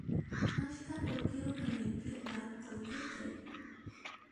Askha qullqiyuq kanaykipaq qullqichay